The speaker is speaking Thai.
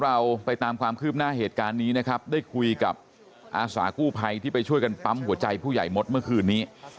เราไปตามความคืบหน้าเหตุการณ์นี้นะครับได้คุยกับอาสากู้ภัยที่ไปช่วยกันปั๊มหัวใจผู้ใหญ่มดเมื่อคืนนี้